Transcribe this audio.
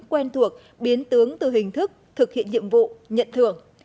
quen thuộc biến tướng từ hình thức thực hiện nhiệm vụ nhận thưởng